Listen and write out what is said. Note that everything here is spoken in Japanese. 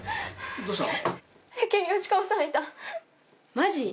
どうしたの？